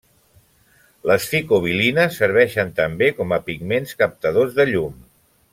Les ficobilines serveixen també com a pigments captadors de llum.